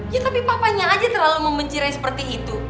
ya tapi papanya aja terlalu membenci rey seperti itu